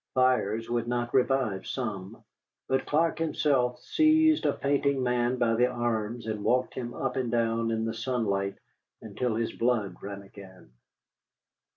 Fires would not revive some, but Clark himself seized a fainting man by the arms and walked him up and down in the sunlight until his blood ran again.